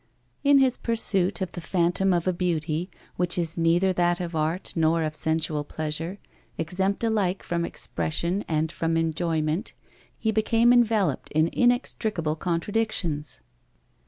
In his pursuit of the phantom of a beauty, which is neither that of art nor of sensual pleasure, exempt alike from expression and from enjoyment, he became enveloped in inextricable contradictions.